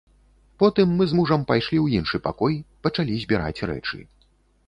Потым мы з мужам пайшлі ў іншы пакой, пачалі збіраць рэчы.